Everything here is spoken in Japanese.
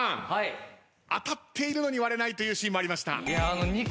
当たっているのに割れないというシーンもありました。